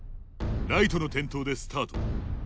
ライトの点灯でスタート。